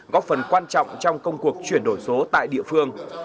góp phần quan trọng trong công cuộc chuyển đổi số tại địa phương